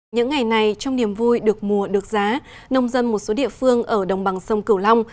những ngày này trong niềm vui được mùa được giá nông dân một số địa phương ở đồng bằng sông cửu long